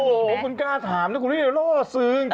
โอ้โฮคุณกล้าถามแล้วคุณนี่ล่อซึง